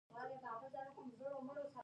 زه کله ناکله له موبایل نه ستړی شم.